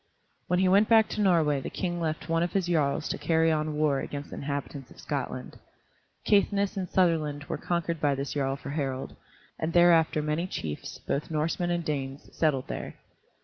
When he went back to Norway the King left one of his jarls to carry on war against the inhabitants of Scotland. Caithness and Sutherland were conquered by this jarl for Harald, and thereafter many chiefs, both Norsemen and Danes, settled there.